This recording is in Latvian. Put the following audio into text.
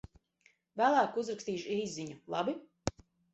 Vēlāk uzrakstīšu īsziņu, labi?